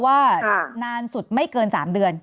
ว่านานสุดไม่เกิน๓เดือน